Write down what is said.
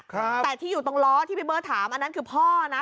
ครับแต่ที่อยู่ตรงล้อที่ไปเบอร์ถามอันนั้นคือพ่อน่ะ